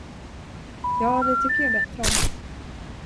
Ja, det tycker jag bättre om.